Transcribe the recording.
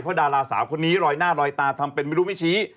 เพราะดาราสาวคนนี้ลอยหน้าลอยตาทำเป็นไม่รู้ไม่ชี้